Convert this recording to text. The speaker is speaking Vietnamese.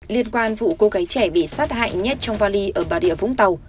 liên quan vụ cô gái trẻ bị sát hại nhất trong vali ở bà rịa vũng tàu